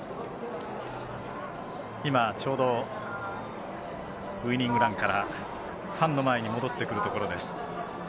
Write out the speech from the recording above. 今、ちょうどウイニングランからファンの前に戻ってくるところです。